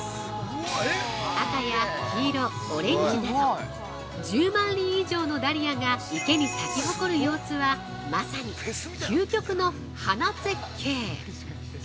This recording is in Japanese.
赤や黄色、オレンジなど１０万輪以上のダリアが池に咲き誇る様子はまさに究極の花絶景。